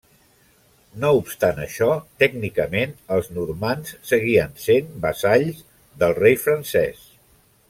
No obstant això, tècnicament, els normands seguien sent vassalls del rei francès.